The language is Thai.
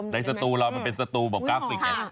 ในสตูเราสตูแบบกาล์ฟฟลิกฮ่า